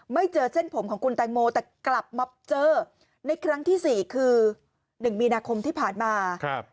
เจอเส้นผมของคุณแตงโมแต่กลับมาเจอในครั้งที่๔คือ๑มีนาคมที่ผ่านมา